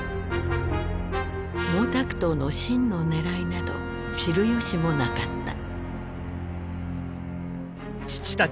毛沢東の真のねらいなど知る由もなかった。